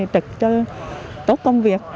trực cho tốt công việc